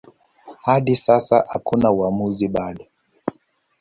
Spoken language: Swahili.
Hadi sasa hakuna uamuzi bado.